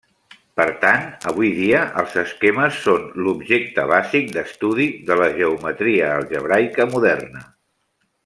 Per tant, avui dia els esquemes són l'objecte bàsic d'estudi de la geometria algebraica moderna.